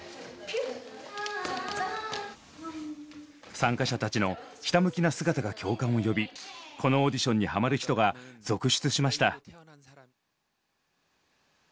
参加者たちのひたむきな姿が共感を呼びこのオーディションにハマる人が続出しました。